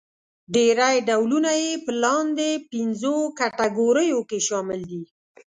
ډېری ډولونه يې په لاندې پنځو کټګوریو کې شامل دي.